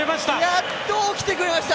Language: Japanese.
やっと起きてくれました！